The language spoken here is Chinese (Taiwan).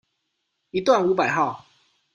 一段五百號